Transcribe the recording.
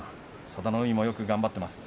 佐田の海もよく頑張っています。